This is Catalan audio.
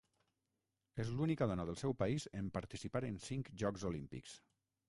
És l'única dona del seu país en participar en cinc Jocs Olímpics.